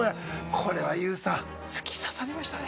これはＹＯＵさん突き刺さりましたね。